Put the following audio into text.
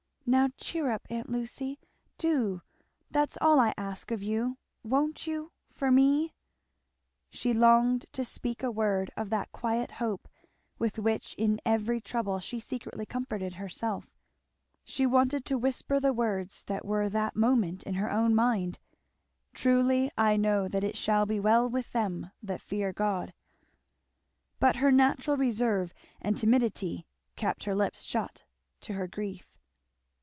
Now cheer up, aunt Lucy! do that's all I ask of you. Won't you? for me?" She longed to speak a word of that quiet hope with which in every trouble she secretly comforted herself she wanted to whisper the words that were that moment in her own mind, "Truly I know that it shall be well with them that fear God;" but her natural reserve and timidity kept her lips shut; to her grief.